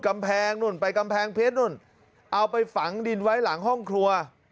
กำแพงนู่นไปกำแพงเพชรนู่นเอาไปฝังดินไว้หลังห้องครัว